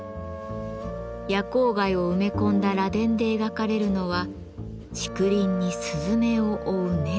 夜光貝を埋め込んだ螺鈿で描かれるのは「竹林に雀を追う猫」。